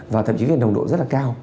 và thậm chí là nồng độ rất là cao